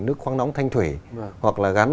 nước khoang nóng thanh thuể hoặc là gắn